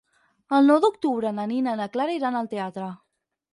El nou d'octubre na Nina i na Clara iran al teatre.